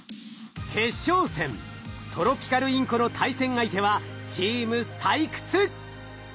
トロピカルインコの対戦相手はチーム「採掘」。